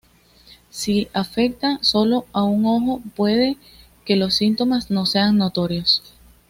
Si afecta solo a un ojo, puede que los síntomas no sean notorios.